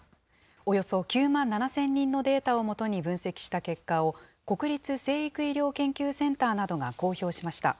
およそ９万７０００人のデータを基に分析した結果を、国立成育医療研究センターなどが公表しました。